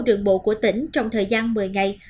đường bộ của tỉnh trong thời gian một mươi ngày